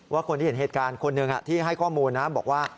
คนที่เห็นเหตุการณ์คนหนึ่งที่ให้ข้อมูลนะบอกว่า